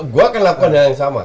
gue akan lakukan hal yang sama